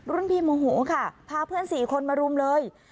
รุ่นพี่โมหูค่ะพาเพื่อน๔คนมารุมเลย